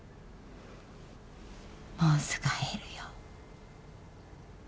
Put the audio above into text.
もうすぐ会えるよ。